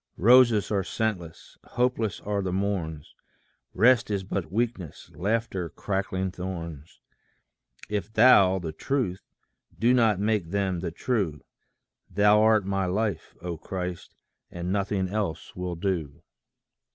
Roses are scentless, hopeless are the morns, Rest is but weakness, laughter crackling thorns, If thou, the Truth, do not make them the true: Thou art my life, O Christ, and nothing else will do.